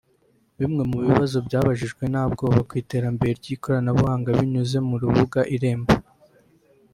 Bimwe mu bibazo byabajijwe Ntabwoba ku iterambere ry’ikoranabuhanga binyuze mu rubuga Irembo